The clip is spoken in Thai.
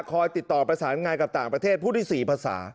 ติดต่อประสานงานกับต่างประเทศผู้ที่๔ภาษา